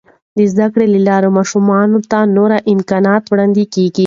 د زده کړې له لارې، ماشومانو ته نور امکانات وړاندې کیږي.